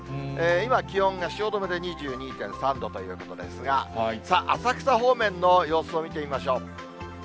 今、気温が汐留で２２．３度ということですが、さあ、浅草方面の様子を見てみましょう。